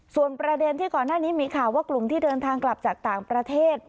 ส่วนประเด็นที่ก่อนหน้านี้มีข่าวว่ากลุ่มที่เดินทางกลับจากต่างประเทศ